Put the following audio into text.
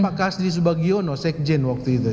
pak kasdi subagiono sekjen waktu itu ya